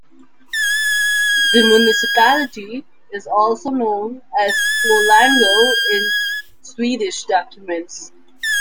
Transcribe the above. The municipality is also known as "Puolango" in Swedish documents.